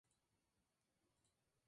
Todo esto dentro del perímetro urbano.